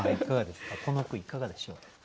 この句いかがでしょう？